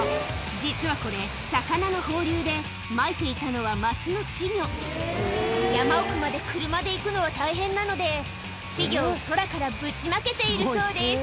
実はこれ魚の放流でまいていたのはマスの稚魚山奥まで車で行くのは大変なので稚魚を空からぶちまけているそうです